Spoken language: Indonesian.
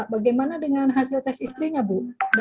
bagaimana dengan hasil tes istrinya bu